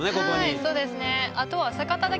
はいそうですね。